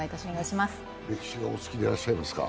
歴史がお好きでらっしゃいますか？